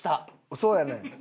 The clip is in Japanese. そうやねん。